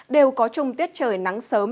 đều có trùng tiết trời nắng sớm